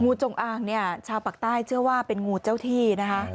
จงอางเนี่ยชาวปากใต้เชื่อว่าเป็นงูเจ้าที่นะคะ